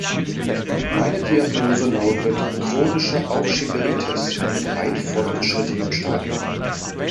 Meine Diagnose lautet chronische Aufschieberitis in weit fortgeschrittenem Stadium.